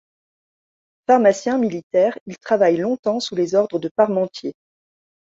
Pharmacien militaire, il travaille longtemps sous les ordres de Parmentier.